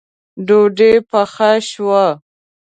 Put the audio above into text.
ډوډۍ پخه شوه